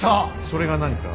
それが何か。